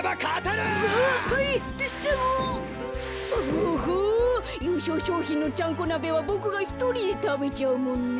おほゆうしょうしょうひんのちゃんこなべはボクがひとりでたべちゃうもんね。